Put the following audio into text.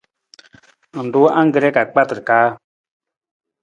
Ng ruu angkre ka kpatar kaa?